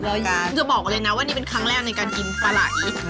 จะบอกเลยนะว่านี่เป็นครั้งแรกในการกินปลาไหล่